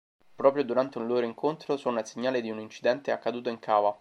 Proprio durante un loro incontro suona il segnale di un incidente accaduto in cava.